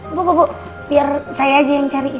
eh bu bu bu biar saya aja yang cariin